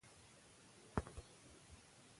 چي مي پلار راته پرې ایښی په وصیت دی